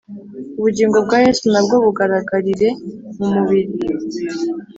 ubugingo bwa Yesu na bwo bugaragarire mu mibiri